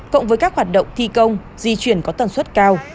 cộng với các hoạt động thi công di chuyển có tần suất cao